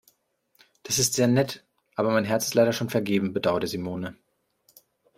Das ist sehr nett, aber mein Herz ist leider schon vergeben, bedauerte Simone.